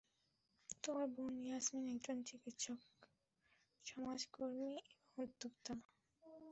তার বোন ইয়াসমিন একজন চিকিৎসক, সমাজকর্মী এবং উদ্যোক্তা।